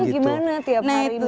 gimana tiap hari mbak